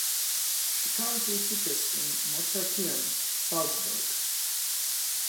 She currently teaches in Mozarteum, Salzburg.